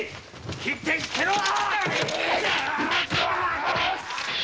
切って捨てろ。